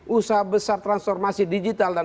usaha besar transformasi digital dan